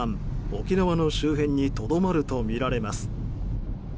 沖縄の周辺にとどまるとみられます。